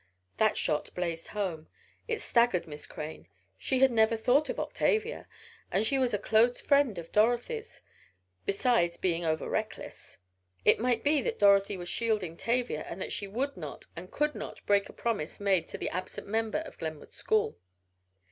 That shot blazed home it staggered Miss Crane. She had never thought of Octavia! And she was so close a friend of Dorothy's besides being over reckless! It might be that Dorothy was shielding Tavia and that she would not and could not break a promise made to the absent member of Glenwood school.